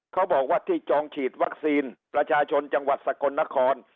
เขาบอกว่าที่จองฉีดวัคซีนประชาชนจังหวัดสกลนคร